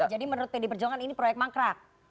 jadi menurut pd perjuangan ini proyek mangkrak